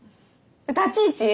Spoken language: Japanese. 立ち位置？